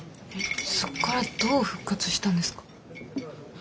そこからどう復活したんですか？